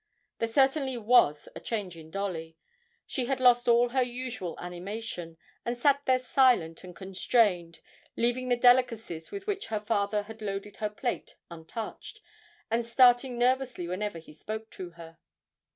There certainly was a change in Dolly; she had lost all her usual animation, and sat there silent and constrained, leaving the delicacies with which her father had loaded her plate untouched, and starting nervously whenever he spoke to her.